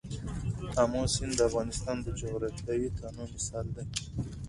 آمو سیند د افغانستان د جغرافیوي تنوع مثال دی.